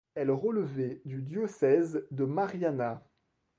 Elle relevait du diocèse de Mariana.